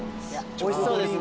おいしそうですね